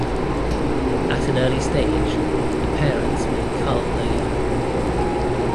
At an early stage, the parents may cull their young.